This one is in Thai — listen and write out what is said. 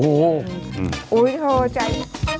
โอ้โฮโทรใจ